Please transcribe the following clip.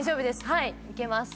はいいけます。